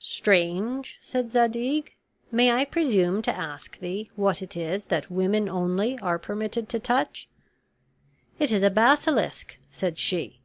"Strange," said Zadig, "may I presume to ask thee what it is that women only are permitted to touch?" "It is a basilisk," said she.